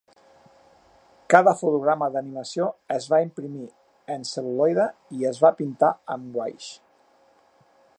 Cada fotograma de l'animació es va imprimir en cel·luloide i es va pintar amb guaix.